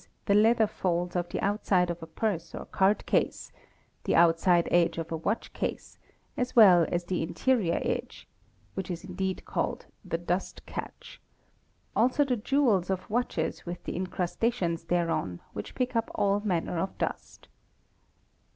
the leather folds of the outside of a purse or card case, the outside edge of a watch case, as well as the interior edge (which is indeed called the " dust catch''), also 'the jewels of watches with the incrustations thereon, which pick up all 'manner of dust.